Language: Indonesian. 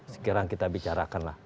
sekarang kita bicarakan lah